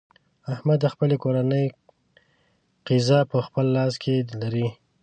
احمد د خپلې کورنۍ قېزه په خپل لاس کې لري.